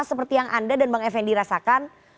seperti yang anda dan bang effendi rasakan